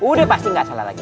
udah pasti nggak salah lagi